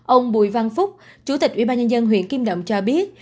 ông bùi văn phúc chủ tịch ubnd huyện kim động cho biết